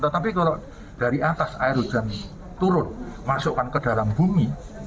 tetapi kalau dari atas air hujan turun masukkan ke dalam bumi